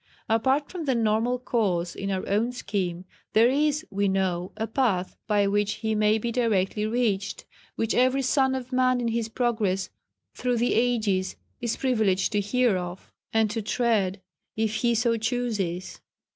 Apart from the normal course in our own scheme, there is, we know, a Path by which He may be directly reached, which every son of man in his progress through the ages is privileged to hear of, and to tread, if he so chooses.